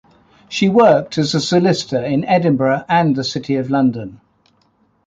She worked as a solicitor in Edinburgh and the City of London.